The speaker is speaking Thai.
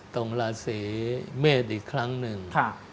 ราศีเมษอีกครั้งหนึ่ง